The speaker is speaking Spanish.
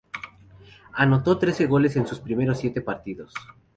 Anotó trece goles en sus primeros siete partidos.